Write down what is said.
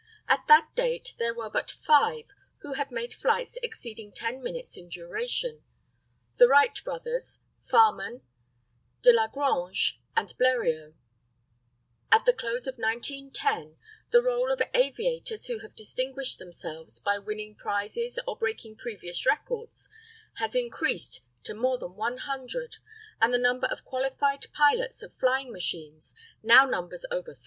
At that date there were but five who had made flights exceeding ten minutes in duration the Wright brothers, Farman, Delagrange, and Bleriot. At the close of 1910 the roll of aviators who have distinguished themselves by winning prizes or breaking previous records has increased to more than 100, and the number of qualified pilots of flying machines now numbers over 300.